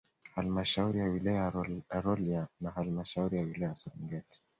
Halmashauri ya Wilaya ya Rolya na Halmashauri ya wilaya ya Serengeti